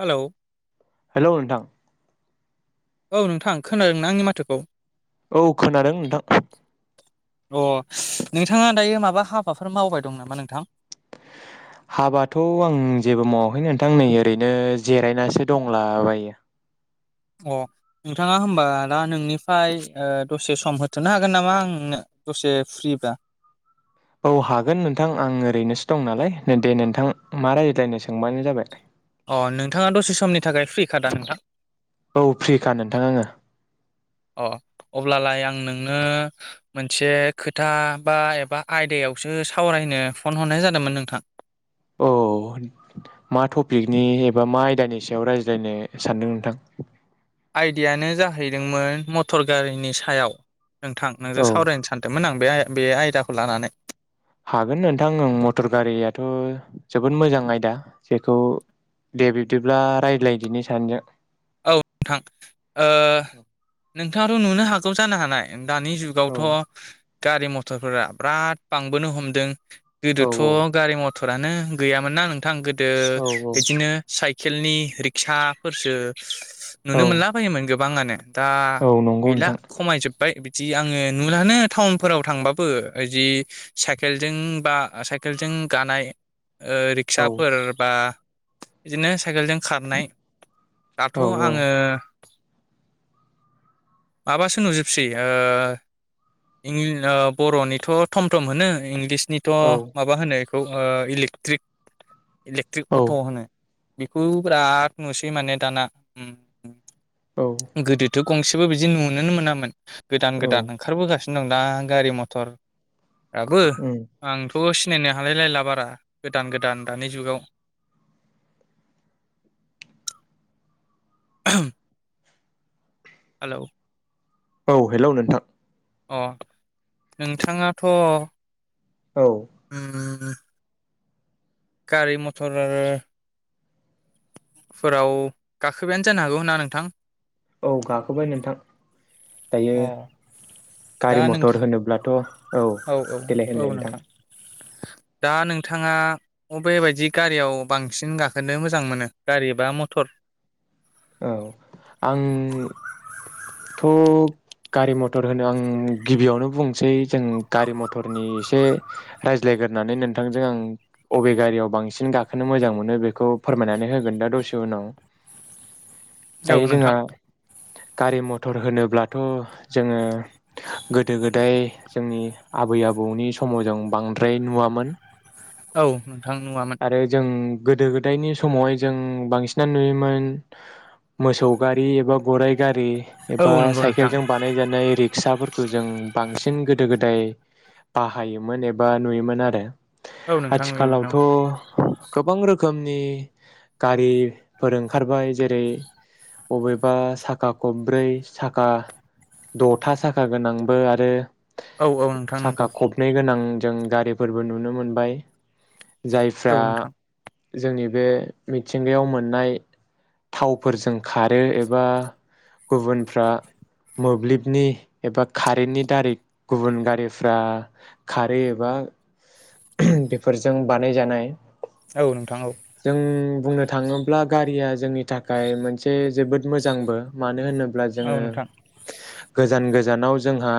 Hello hello नोंथां औ नोंथां खोनादोंना आंनि माथोखौ? औ खोनादों नोंथां। अ नोंथाङा दायो माबा हाबाफोर मावबाय दं नामा नोंथां? हाबाथ' आं जेबो मावाखै नोंथां नै ओरैनो जिरायनासो दंलाबायो। अ नोंथाङा होनबा दा नोंनिफ्राय दसे सम होथ'नो हागोन नामा आंनो दसे फ्रिबा? औ हागोन नोंथां आं ओरैनोसो दं नालाय, दे नोंथां मा रायज्लायनो सोंबानो जाबाय । अ, नोंथाङा दसे समनि थाखाय फ्रिखाादा नोंथां? औ फ्रिखा नोंथां आङो अ अब्लालाय आं नोंनो मोनसे खोथा बा एबा आयदायावसो सावरायनो फन हरनाय जादोंमोन नोंथां। औ, मा टपिकनि एबा मा आयदानि सायाव रायज्लायनो सानदों नोंथां? आयदायानो जाहैदोंमोन मटर गारिनि सायाव। नोंथां, नोंजों औ सावरायनो सानदोंमोन आं। बे बे आयदाखौ लानानै हागोन नोंथां मटर गारियाथ' जोबोद मोजां आयदा जेखौ दे बिबदिब्ला रायज्लायदिनि सानैजों औ नोंथां, ओ नोंथाङाथ' नुनो हागौ जानो हानाय दानि जुगावथ' गारि मथरफोरा बिराद बांबोनो हमदों। औ गोदोथ' गारि म टरानो गैयामोन ना नों थां गोदो औ औ बिदिनो साइ खेलनि रिक्साफोरसो औ नुनो मोनला बायोमोन बांआनोने दा औ नंगौ गैला नोंथां खमायजोब्बाय जि आङो नुलानो टाउनफोराव थांबाबो जि साइकेलजों बा साइकेलजों गानाय औ रिक्साफोर बा बिदिनो साइकेलजों खारनाय औ दाथ' आङो माबासो नुजोबसै बर'निथ' थम थम होनो इंलिस निथ' औ माबा होनो ओ इलेक्ट्रिक इलेक्ट्रिक अट' औ होनो। बेखौ बिराद नुसै माने दाना। औ उम गोदोथ' गंसेबो बिदि नुुनोनो मोनामोन गोदान औ गोदान ओंखारबोगासिनो दं दा गारि मथर बो उम [unintelligible] खौ सिनायनो हालायलायला बारा गोदान गोदान दानि जुगाव [unintelligible] हेलौ औ हेलौ नोंथां अ नोंथाङाथ' औ उम उम उम गारि मथर फोराव गाखोबायानो जानो हागौना नोंथां औ गाखोबाय नोंथां दायो अ दा गारि नोंथां मथर होनोब्लाथ' औ औ देलाय औ होनलाय नोंथां दा नोंथाङा अबे बायदि गारियाव बांसिन गाखोनो मोजां मोनो गारि बा मथर औ आंथ' गारि मथर होनो आं गिबियावनो बुंसै जों गारि मथरनि एसे रायज्लायगोरनानै नोंथांजों आं अबे गारियाव बांसिन गाखोनो मोजां मोनो बेखौ फोरमायनानै होगोन दा दसे उनाव औ दायो जोंहा नोंथां गारि मथर होनोब्लाथ' जोङो गोदो गोदाय जोंनि आबै आबौनि समाव जों बांद्राय नुवामोन औ नोंथां नुवामोन आरो जों गोदो गोदायनि समावहाय जों बांसिनानो नुयोमोन मोसौ गारि एबा गराइ गारि औ एबा नंगौ साइकेल नोंथां जों बानाय जानाय रिक्साफोर गोजों बांसिन गोदो गोदाय बाहायोमोन एबा नुयोमोन आरो औ नोंथां नुयोमोन ना थ' गोबां रोखोमनि गारिफोर ओंखारबाय जेरै बबेबा साखा खबब्रै साखा दथा साखा गोनांबो आरो औ औ नोंथां नंगौ साखा खबनै गोनां जों गारिफोरबो नुनो मोनबाय औ जायफ्रा नोंथां जोंनि बे मिथिंगायाव मोननाय थावफोरजों खारो एबा गुबुनफ्रा मोब्लिबनि एबा खारेननि दारै गुबुन गारिफ्रा खारो एबा बानाय जानाय औ नोंथां औ जों बुंनो थाङोब्ला गारिया जोंनि थाखाय मोनसे जोबोद मोजांबो मानो होनो ब्ला औ जोङो नोंथां गोजान गोजानाव जोंहा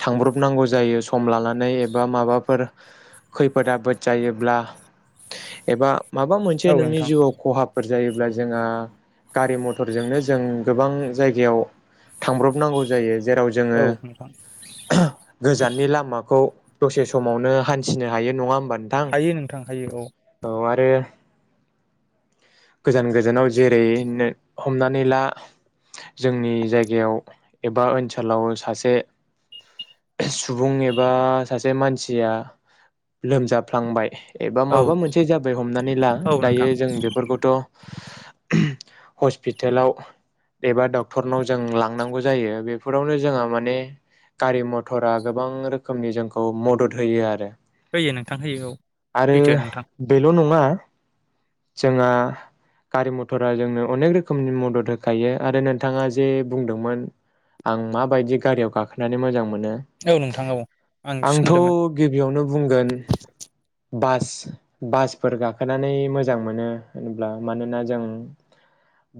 थांब्रब नांगौ जायो सम लानानै एबा माबाफोर खैफोद आफोद जायोब्ला एबा माबा मोनसे औ नोंनि नोंथां जिउआव खहाफोर जायोब्ला जोंहा गारि मथरजोंनो जों गोबां जायगायाव थांब्रबनांगौ जायो जेराव औ जोङो नोंथां गोजाननि लामाखौ दसे समावनो हान्थिनो हायो नङा होमबा नोंथां हायो नोंथां हायो औ आरो गोजान गोजानाव जेरै नो हमनानै ला जोंनि जायगायाव एबा ओनसोलाव सासे सुबुं एबा सासे मानसिया लोमजाब फ्लांबाय एबा औ माबा मोनसे जाबाय हमनानै ला औ दायो नोंथां जों बेफोरखौथ हसपिटालाव एबा डक्टरनाव जों लांनांगौ जायो बेफोरावनो जोंहा माने गारि मथरा गोबां रोखोमनि जोंखौ मदद होयो आरो होयोनो आरो बेल नंङा जोंहा गारि मथरा जोंनो अनेक रोखोमनि मदद होखायो आरो नोंथाङा जे बुंदोंमोन आं माबायदि गारियाव गाखोनानै मोजां मोन नो औ नोंथां औ आं आंथ सोंदोंमोन गिबियावनो बुंगोन बास बासफोर गाखोनानै मोजां मोनो होनब्ला मानोना जों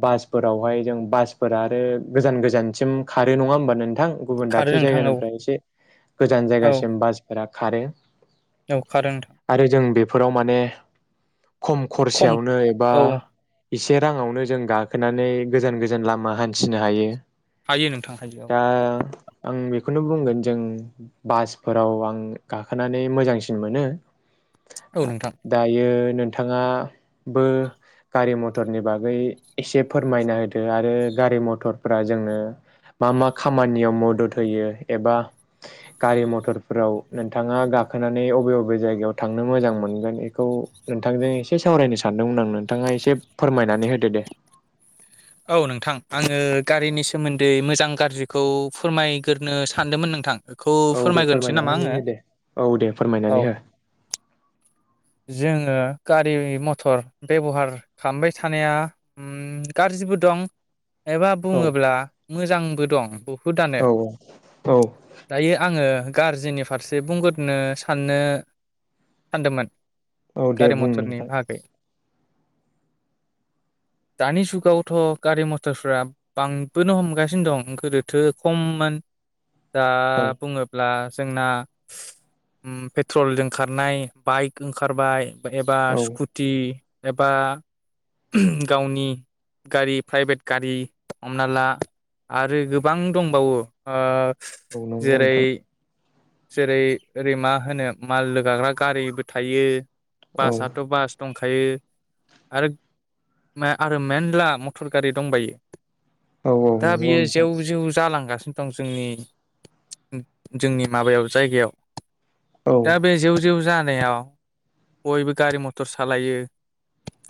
बासफोरावहाय जों बासफोरा आरो गोजान गोजानसिम खारो नङा हबा नोंथां? गुबुन खारो दाबसे नोंथां औ जायगानिफ्राय एसे गोजान जायगासिम बासफोरा खारो एवखारो आरो जों बेफोराव माने खम खरसायावनो एबा औ एसे राङावनो जों गाखोनानै गोजान गोजान लामा हान्थिनो हायो हायो नोंथां हायो औ दा आं बेख बेखौनो बुंगोन जों बासफोराव आं गाखोनानै मोजांसिन मोनो औ आ नोंथां दायो नोंथाङा बो गारि मथरनि बागै एसे फोरमायना होदो आरो गारि मटरफ्रा जोंनो मा मा खामानियाव मदद होयो एबा गारि मथरफोराव नोंथाङा गाखोनानै अबे अबे जायगायाव थांनो मोजां मोनगोन बेखौ नोंथांजों एसे सावरायनो सानदोंमोन आं नोंथाङा एसे फोरमायनानै होदो दे औ नोंथां आङो गारिनि सोमोन्दै मोजां गाज्रिखौ फोरमायग्रोनो सानदोंमोन नोंथां बे खौ औ दे फोरमायग्रोनोसै नामा फोरमायनानै आङो हो दे औ दे औ फोरमायनानै हो जोङो गारि मथर बेबहार खालामबाय थानाया ओम गाज्रिबो दं एबा औ बुङोब्ला मोजांबो दं बहुदानो औ औ दायो आङो गारजिनि फारसे बुंगोरनो साननो सानदोंमोन औ दे गारि बुं मथरनि नोंथां बाहागै दानि सुख औथ' गारि मथरफ्रा बांबोनो हमगासिनो दं गोदोथो खममोन दा औ बुङोब्ला जोंना ओम पेट्रलजों खारनाय बाइक ओंखारबाय एबा औ स्कुटि एबा गावनि गारि प्राइभेट गारि हमना ला आरो गोबां दंबावो ओ औ नांगौ जेरै नोंथां । जेरै ओरै मा होनो माल लोगाग्रा गारिबो थायो । औ बासआथ' बास दं खायो आरो मे आरो मेनला मटर गारि दंबायो । औ औ दा नंगौ बियो नोंथां जेव जेव जालांगा सिम दं जोंनि ओम जोंनि माबायाव जायगायाव औ दा बे जेव जेव जा नायाव बयबो गारि मथर सालायो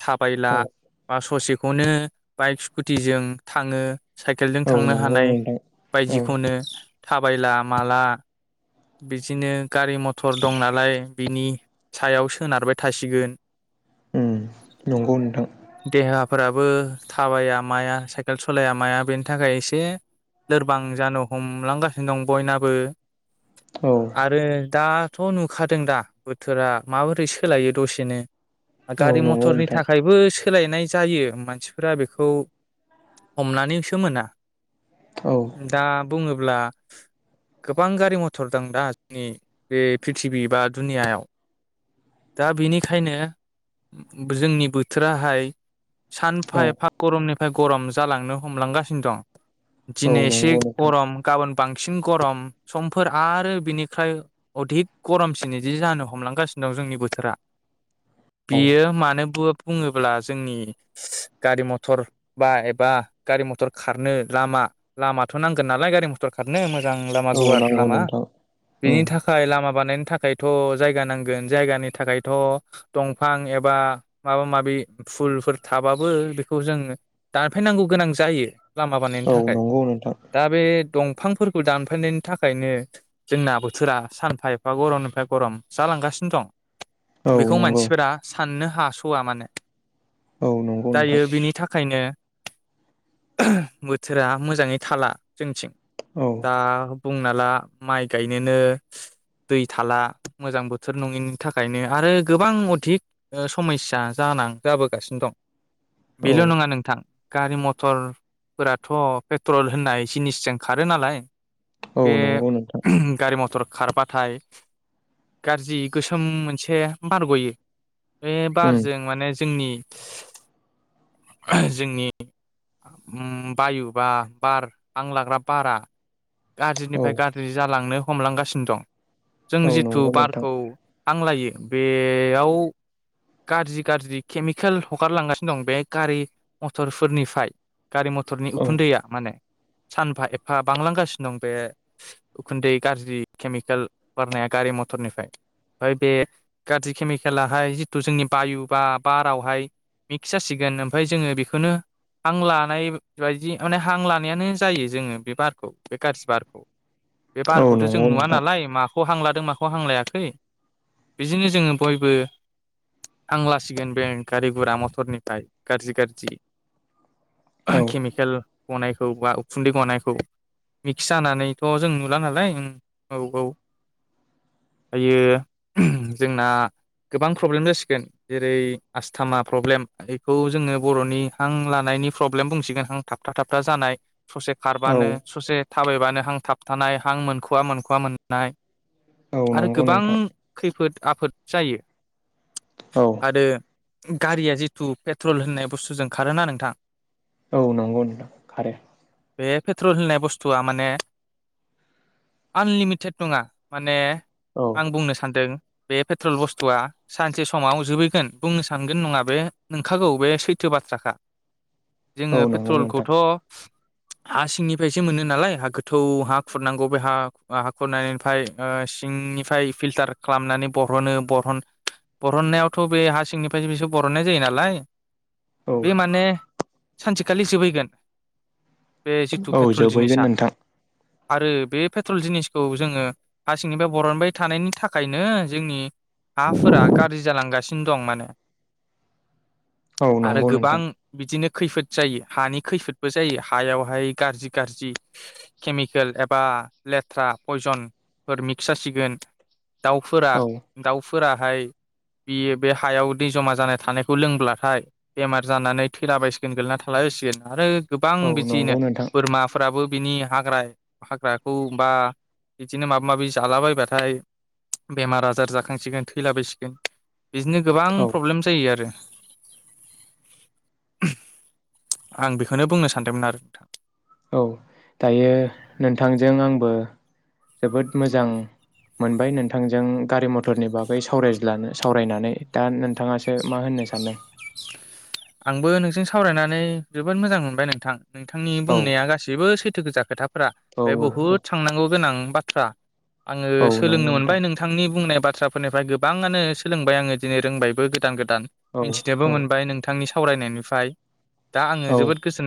थाबायला औ बा ससे बेखौनो बाइक स्कुटिजों थाङो साइकेलजों औ थांनो नंगौ हानाय नोंथां औ बायदिखौनो थाबायला माला बिदिनो गारि मटर दं नालाय बिनि सायाव सोनारबाय थासिगोन ओम नंगौ नोंथां । फोराबो थाबाया माया साइकेल सलाया माया बेनि थाखाय एसे लोरबां जानो हमलांगासिनो दं बयनाबो । औ आरो दा थ' नुखादों दा बोथोरा माबोरै सोलायो दसेनो । औ गारि नंगौ मटरनि नोंथां थाखायबो सोलायनाय जायो मानसिफोरा बेखौ हमनानैसो मोना। औ दा बुङोब्ला ब्ला गोबां गारि गारि मटर दं दा जोंनि बे प्रिथिबि बा दुनियायाव दा बेनिखायनो जोंनि बोथोराहाय सानफा औ एफा गरमनि निफ्राय गरम जालांनो हमलांगासिनो दं । औ दिनै एसे नंगौ नोंथां गरम गाबोन बांसिन गरम समफोर आरो बिनिफ्राय अधिक गरमसिन बिदि जानो हमलांगासिनो दं जोंनि बोथोरा । औ बियो मानो बु बुङोब्ला जोंनि गारि मटर बा एबा गारि मथर खारनो लामा लामाथ' नांगोन नालाय गारि मटर खारनो। मोजां लामा औ गुवार नांगौ लामा नोंथां उम बिनि थाखाय लामा बानायनो थाखायथ' जायगा नांगोन जायगानि थाखायथ' दंफां एबा माबा माबि फुलफोर थाबाबो बेखौ जों दानफायनांगौ गोनां जायो। लामा बानायनो औ थाखाय नंगौ नोंथां दा बे दंफांफोरखौ दानफायनायनि बिनि थाखायनो जोंना बोथोरा सानफा एफा गरमनिफ्राय गरम जालांगासिनो दं। औ बेखौ नंगौ मानसिफोरा साननो हा सुवा माने। औ नंगौ दायो नोंथां बिनि थाखायनो बोथोरा मोजाङै थाला जोंथिं औ दा बुंना ला माइ गायनोनो दै थाला मोजां बोथोर नङिनि थाखायनो आरो गोबां अधिक ओ समस्या जानां जाबोगासिनो दं। औ बेल' नङा नोंथां गारि मथरफोराथ' पेट्रल होननाय जिनिसजों खारो नालाय। औ बे नंगौ नोंथां गारि मथर खारबाथाय गाज्रि गोसोम मोनसे बारग'यो । बे उम बारजों माने जोंनि-जोंनि उम बायु बा बार हांलाग्रा बारा औ गाज्रिनिफ्राय गाज्रि जालांनो हमलांगासिनो दं। जों औ जिथु नंगौ नोंथां बारखौ हांलायो बेयाव गाज्रि गाज्रि केमिकेल हगारलांगासिनो दं बे गारि मथरफोरनिफाय। गारि मथरनि औ उखुन्दैया माने। सानफा एफा बांलांगासिनो दं बे उखुन्दै गाज्रि केमिकेल बारनाया गारि मथरनिफ्राय ओमफाय बे गाज्रि केमिकेेलाहाय जि थु जोंनि बायु बा बारावहाय मिक्स जासिगोन ओमफाय जोङो बेखौनो हां लानाय बायदि माने हां लानायानो जायो जोङो बे बारखौ बे गाज्रि बारखौ। बे औ बारखौथ' जों नंगौ नुवा नोंथां नालाय मा माखौ हांलादों माखौ हांलायाखै बिजोंनो जोङो बयबो हां लासिगोन बें गारि गुरा मटरनिफ्राय गाज्रि गाज्रि। औ केमिकेल गनायखौ बा उखुन्दै गनायखौ मिक्स जानानैथ' जों नुला नालाय उम औ औ दायो जोंना गोबां प्रब्लेम जासिगोन जेरै आसस्थामा प्रब्लेम बेखौ जोङो बर'नि हां लानायनि प्रब्लेम बुंसिगोन हां थाबथा थाबथा जानाय। ससे औ खारबानो ससे थाबायबानो हां थाबथानाय हां मोनख'वा मोनख'वा मोननाय। औ आरो नंगौ गोबां नोंथां खैफोद आफोद जायो। औ आरो गारिया जिथु पेट्रल होननाय बुस्थुजों खारोना नोंथां औ नंगौ नोंथां खारो बे पेट्रल होननाय बस्थुआ माने आनलिमिटेड नङा माने औ आं बुंनो सानदों बे पेट्रल बस थुवा सानसे समाव जोबहैगोन बुंनो सानगोन नङा बे नोंखागौ बे सैथो बाथ्राखा औ जोङो नंगौ नोंथां पेट्रलखौथ' हा सिंनिफ्रायसो मोनो नालाय हा खोथ थौ हा खुरनांगौ बे हा हा खुरनायनिफ्राय सिंनिफ्राय फिलटार खालामनानै बरह'नो भन बरनायावथ' बे हा सिंनिफ्राय बिसोर बरनाय जायो नालाय औ बे माने सानसेखालि जोबहैगोन बे जिथु औ पेट्रल जोबहैगोन जिनिसा नोंथां आरो बे पेट्रल जिनिसखौ जोङो हारसिंनिफ्राय बरनबाय थानायनि थाखायनो जोंनि हाफोरा गाज्रि जालांगासिनो दं माने औ आरो नंगौ गोबां नोंथां बिदिनो खैफोद जायो हानि खैफोदबो जायो हायावहाय गाज्रि गाज्रि केमिकेल एबा लेथ्रा पयजनफोर मिक्स जासिगोन दाउफोरा औ दाउ फोराहाय बियो बे हायाव दै जमा जानाय थानायखौ लोंब्लाथाय बेमार जानानै थैलाबायसिगोन गोगलैना थाला जासिगोन आरो गोबां औ बिदियैनो नंगौ नोंथां बोरमाफ्राबो बिनि हाग्रा हाग्राखौ बा बिदिनो माबा माबि जालाबायबाथाय बेमार आजार जाख खांसिगोन थैलाबायसिगोन बिदिनो गोबां औ प्रब्लेम जायो आरो आं बेखौनो बुंनो सानदोंमोन आरो नोंथां औ दायो नोंथांजों आंबो जोबोद मोजां मोनबाय नोंथांजों गारि मथरनि बागै सावरायज्लानो सावरायनानै दा नोंथाङासो मा होननो सानदों आंबो नोंजों सावरायनानै जोबोद मोजां मोनबाय नोंथां नोंथांनि औ बुंनाया गासैबो सै थो गोजा खोथा फोरा औ बे औ औ बुहुद सांनांगौ गोनां बाथ्रा आङो औ सोलोंनो नंगौ मोनबाय नोंथां नोंथांनि बुंनाय बाथ्राफोरनिफ्राय गोबाङानो सोलोंबाय आङो दिनै रोंबायबो गोदान गोदान औ मिथिनोबो औ मोनबाय नों आंनि सावरायनायनिफ्राय दा आङो औ जोबोद गोजोननाय